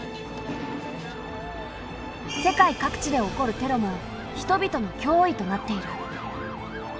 世界各地で起こるテロも人々のきょういとなっている。